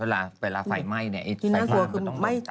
เวลาไฟไหม้ไฟมันต้องตนตัดค่ะ